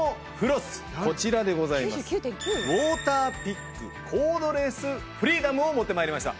ウォーターピックコードレスフリーダムを持って参りました。